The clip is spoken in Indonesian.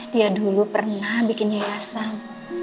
dia dulu pernah bikin yayasan